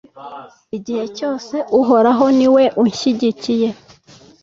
igihe cyose uhoraho ni we unshyigikiye